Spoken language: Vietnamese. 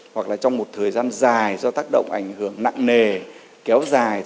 hoặc là trong một thời gian dài do tác động ảnh hưởng nặng nề kéo dài